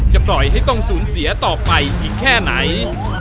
ปล่อยให้ต้องสูญเสียต่อไปอีกแค่ไหน